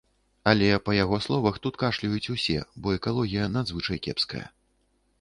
Але, па яго словах, тут кашляюць усе, бо экалогія надзвычай кепская.